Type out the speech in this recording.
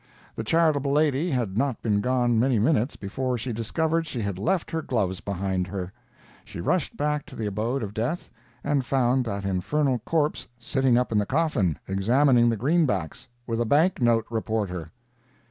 The charitable lady had not been gone many minutes before she discovered she had left her gloves behind her. She rushed back to the abode of death, and found that infernal corpse sitting up in the coffin, examining the greenbacks with a Bank Note Reporter!